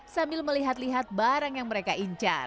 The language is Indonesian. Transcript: sambil melihat lihat barang yang mereka incar